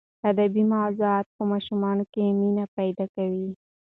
ادبي موضوعات په ماشومانو کې مینه پیدا کوي.